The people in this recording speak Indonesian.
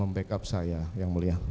membackup saya yang mulia